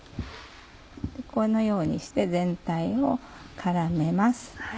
このようにして全体を絡めます。